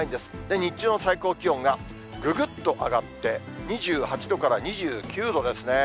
日中の最高気温がぐぐっと上がって、２８度から２９度ですね。